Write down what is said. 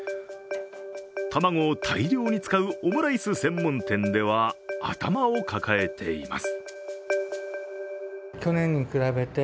卵を大量に使うオムライス専門店では頭を抱えています。